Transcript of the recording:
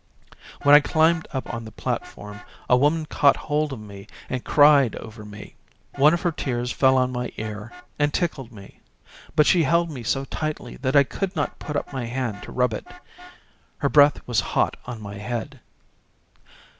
When I climbed up on the platform a woman caught hold of me and cried over me. One of her tears fell on my ear and tickled me ; but she held me so tightly that I could not put up my hand to rub it. Her breath was hot on my head.